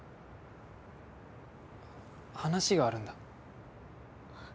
話があるんだ。